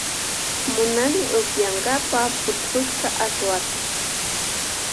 Munani upiyankapa pukushka aswata.